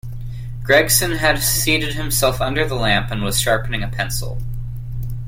Gregson had seated himself under the lamp and was sharpening a pencil.